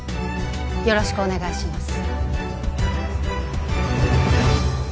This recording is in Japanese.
よろしくお願いします